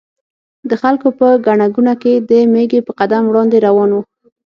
د خلکو په ګڼه ګوڼه کې د مېږي په قدم وړاندې روان و.